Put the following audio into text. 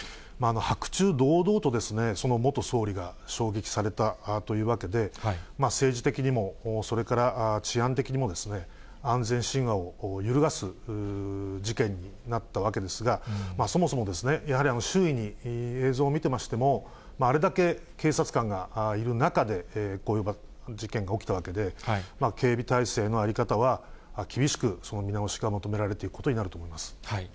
白昼堂々と、その元総理が襲撃されたというわけで、政治的にも、それから治安的にも、安全神話を揺るがす事件になったわけですが、そもそもやはり、周囲に、映像を見てましても、あれだけ警察官がいる中で、こういう事件が起きたわけで、警備体制の在り方は、厳しく見直しが求められていくことになると思います。